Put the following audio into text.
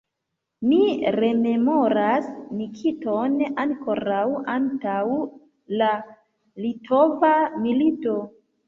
Mi rememoras Nikiton ankoraŭ antaŭ la litova milito.